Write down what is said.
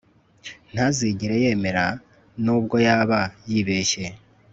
Ntazigera yemera nubwo yaba yibeshye